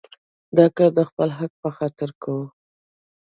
دا کار د خپل حق په خاطر کوو.